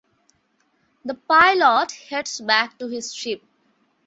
The pilot heads back to his ship.